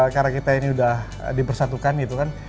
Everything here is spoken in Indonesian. karena kita ini sudah dipersatukan